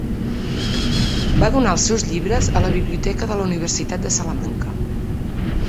Va donar els seus llibres a la biblioteca de la Universitat de Salamanca.